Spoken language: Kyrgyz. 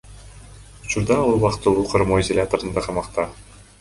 Учурда ал убактылуу кармоо изоляторунда камакта.